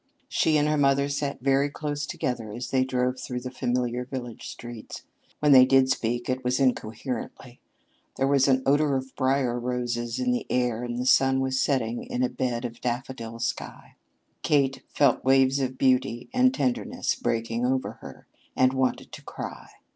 She and her mother sat very close together as they drove through the familiar village streets. When they did speak, it was incoherently. There was an odor of brier roses in the air and the sun was setting in a "bed of daffodil sky." Kate felt waves of beauty and tenderness breaking over her and wanted to cry.